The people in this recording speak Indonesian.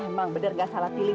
emang bener gak salah pilih